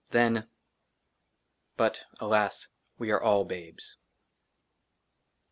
THEN BUT, ALAS, WE ALL ARE BABES.